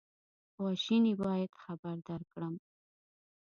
خواشیني باید خبر درکړم.